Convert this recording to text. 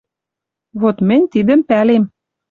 «Вот мӹнь тидӹм пӓлем», —